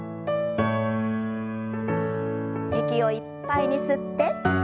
息をいっぱいに吸って。